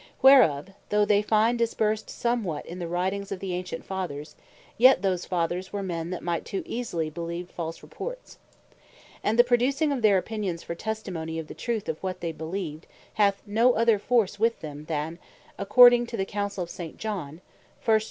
Whereof, though they find dispersed somewhat in the Writings of the ancient Fathers; yet those Fathers were men, that might too easily beleeve false reports; and the producing of their opinions for testimony of the truth of what they beleeved, hath no other force with them that (according to the Counsell of St. John 1 Epist.